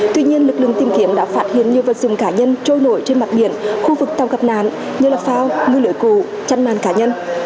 tuy nhiên lực lượng tìm kiếm đã phát hiện nhiều vật dùng cá nhân trôi nổi trên mặt biển khu vực tàu gặp nàn như là phao ngư lưỡi cụ chăn nàn cá nhân